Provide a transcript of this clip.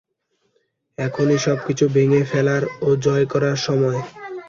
এখনই সবকিছু ভেঙে ফেলার ও জয় করার সময়।